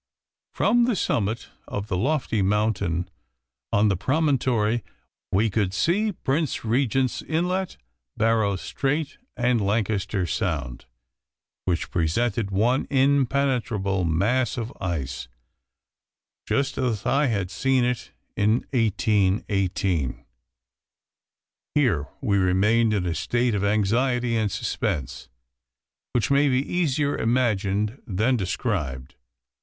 From the summit of the lofty mountain on the promontory we could see Prince Regent's Inlet, Barrow's Strait and Lancaster Sound, which presented one impenetrable mass of ice, just as I had seen it in 1818. Here we remained in a state of anxiety and suspense, which may be easier imagined than described.